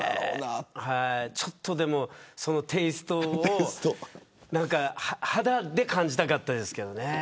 ちょっとでもテイストを肌で感じたかったです。